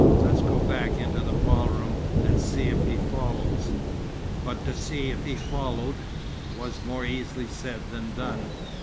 Let's go back into the ball room, and see if he follows." But to "see if he followed" was more easily said than done.